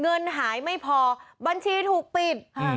เงินหายไม่พอบัญชีถูกปิด